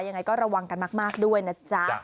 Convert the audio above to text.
ยังไงก็ระวังกันมากด้วยนะจ๊ะ